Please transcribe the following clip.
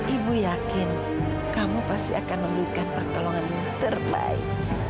ibu yakin kamu pasti akan memberikan pertolongan yang terbaik